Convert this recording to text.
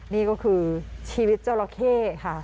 นี่ก็คือชีวิตจราเข้ค่ะ